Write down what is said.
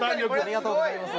ありがとうございます